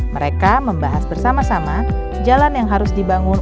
mereka membahas bersama sama jalan yang harus dibangun